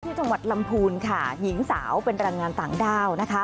จังหวัดลำพูนค่ะหญิงสาวเป็นแรงงานต่างด้าวนะคะ